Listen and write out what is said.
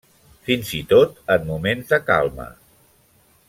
Fins i tot en moments de calma.